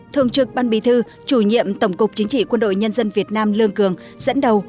thường trực ban bì thư chủ nhiệm tổng cục chính trị quân đội nhân dân việt nam lương cường dẫn đầu